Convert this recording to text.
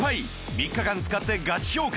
３日間使ってガチ評価